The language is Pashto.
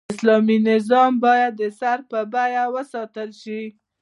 د اسلامي نظام بايد د سر په بيه وساتل شي